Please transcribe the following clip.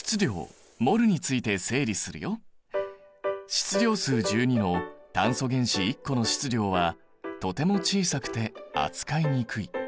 質量数１２の炭素原子１個の質量はとても小さくて扱いにくい。